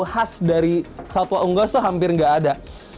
khas dari satwa unggas itu hampir nggak ada